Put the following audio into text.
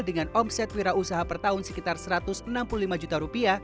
dengan omset wirausaha per tahun sekitar rp satu ratus enam puluh lima juta